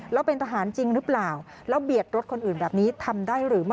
แล้วเป็นทหารจริงหรือเปล่าแล้วเบียดรถคนอื่นแบบนี้ทำได้หรือไม่